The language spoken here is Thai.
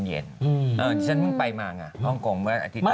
ฉันเพิ่งไปมาไงฮ่องกงว่าอาทิตย์ที่แล้ว